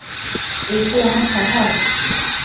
এই কি আমার স্বভাব?